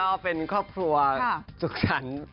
แล้วก็เป็นครอบครัวสุขชัน